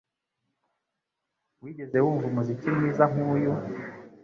Wigeze wumva umuziki mwiza nkuyu?